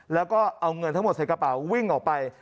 แล้วก็เอาเงินทั้งหมดใส่กระเป๋าวิ่งออกไป